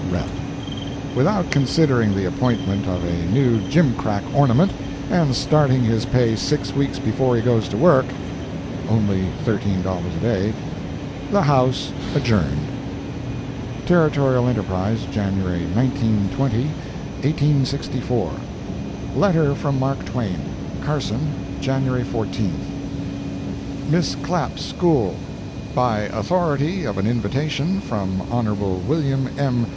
—REP.] Without considering the appointment of a new jimcrack ornament, and starting his pay six weeks before he goes to work ( only thirteen dollars a day), the House adjourned. Territorial Enterprise, January 19 20, 1864 LETTER FROM MARK TWAIN CARSON, January 14. MISS CLAPP'S SCHOOL. By authority of an invitation from Hon. Wm. M.